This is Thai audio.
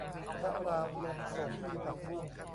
พระรามลงสรง คือผักบุ้ง